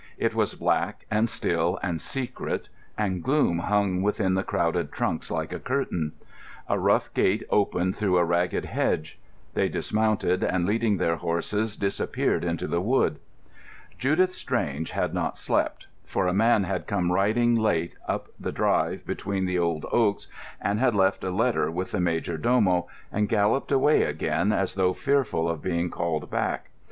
It was black, and still, and secret, and gloom hung within the crowded trunks like a curtain. A rough gate opened through a ragged hedge. They dismounted, and leading their horses, disappeared into the wood. Judith Strange had not slept, for a man had come riding late up the drive between the old oaks, and had left a letter with the major domo, and galloped away again as though fearful of being called back.